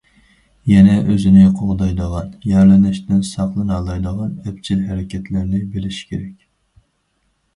يەنە ئۆزىنى قوغدايدىغان، يارىلىنىشتىن ساقلىنالايدىغان ئەپچىل ھەرىكەتلەرنى بىلىشى كېرەك.